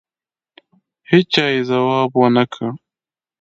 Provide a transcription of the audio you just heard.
هېچا یې ځواب ونه کړ.